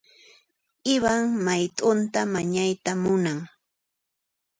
Ivan mayt'unta mañayta munan.